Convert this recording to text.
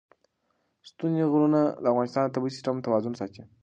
ستوني غرونه د افغانستان د طبعي سیسټم توازن ساتي.